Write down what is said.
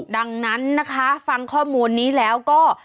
ดังนั้นนะคะฟังข้อมูลนี้แล้วก็